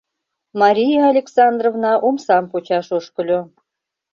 Мария Александровна омсам почаш ошкыльо.